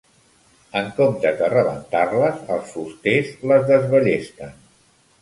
En comptes de rebentar-les, els fusters les desballesten.